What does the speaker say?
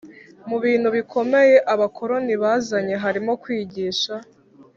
Mu bintu bikomeye abakoloni bazanye harimo kwigisha